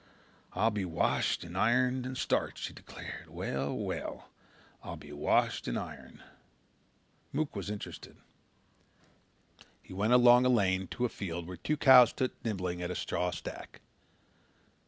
"I'll be washed and ironed and starched," he declared. "Well, well, I'll be washed and ironed." Mook was interested. He went along a lane to a field where two cows stood nibbling at a straw stack.